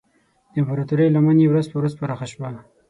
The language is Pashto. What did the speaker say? د امپراتورۍ لمن یې ورځ په ورځ پراخه شوه.